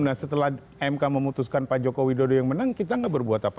nah setelah mk memutuskan pak joko widodo yang menang kita nggak berbuat apa apa